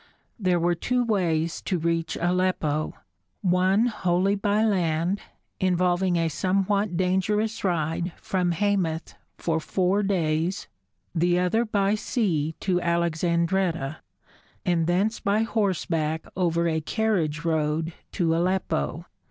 There were two ways to reach Aleppo, one wholly by land, involving a somewhat dangerous ride from Hamath for four days; the other by sea to Alexandretta, and thence by horseback over a carriage road to Aleppo.